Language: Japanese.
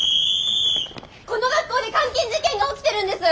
この学校で監禁事件が起きてるんです！